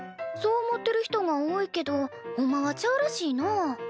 そう思ってる人が多いけどほんまはちゃうらしいな。